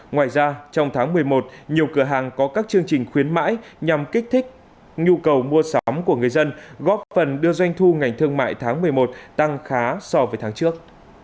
ngoài ra trong tháng một mươi một nhiều cửa hàng có các chương trình khuyến mãi nhằm kích thích nhu cầu mua sắm của người dân góp phần đưa doanh thu ngành thương mại tháng một mươi một tăng khá so với tháng trước